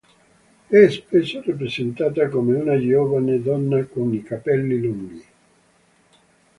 È spesso rappresentata come una giovane donna con i capelli lunghi.